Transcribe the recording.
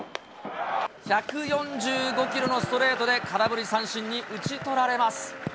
１４５キロのストレートで空振り三振に打ち取られます。